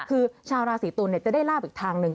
คือชาวราศีตุลจะได้ลาบอีกทางหนึ่ง